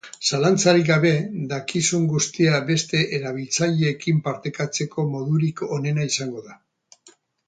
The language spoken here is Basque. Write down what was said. Zalantzarik gabe, dakizun guztia beste erabiltzaileekin partekatzeko modurik onena izango da.